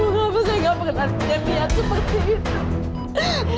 mama saya gak pernah punya pihak seperti itu